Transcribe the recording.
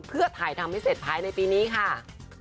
เพื่อถ่ายทำให้เสร็จภายในปีนี้ค่ะ